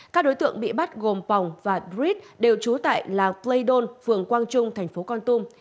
các đối tượng bị bắt gồm pòng và dritt đều trú tại làng playdon phường quang trung tp con tum